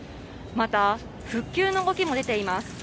また復旧の動きも出ています。